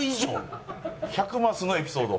１００マスのエピソード？